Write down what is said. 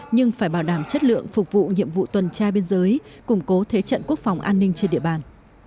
nhưng phải bảo đảm chất lượng phục vụ nhiệm vụ tuần tra biên giới củng cố thế trận quốc phòng an ninh trên địa bàn